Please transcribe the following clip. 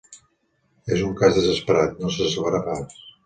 És un cas desesperat: no se salvarà pas.